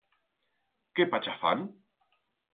Qué pacha fan?